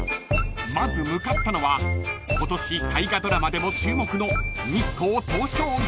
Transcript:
［まず向かったのは今年大河ドラマでも注目の日光東照宮］